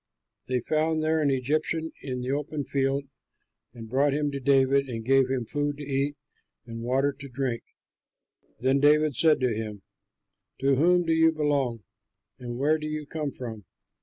They found there an Egyptian in the open field and brought him to David and gave him food to eat and water to drink. Then David said to him, "To whom do you belong, and where do you come from?"